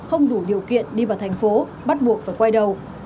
không đủ điều kiện đi vào thành phố bắt buộc phải quay đầu